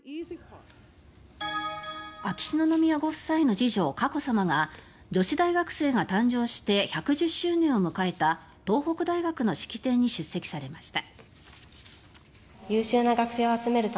秋篠宮ご夫妻の次女佳子さまが女子大学生が誕生して１１０周年を迎えた東北大学の式典に出席されました。